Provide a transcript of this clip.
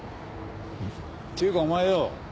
っていうかお前よ